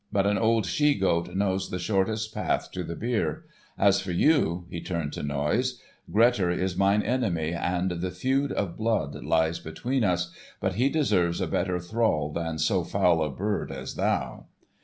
But an old she goat knows the shortest path to the byre. As for you"—he turned to Noise: "Grettir is mine enemy, and the feud of blood lies between us, but he deserves a better thrall than so foul a bird as thou."